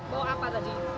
bawa apa tadi